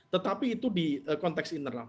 tetapi itu di konteks internal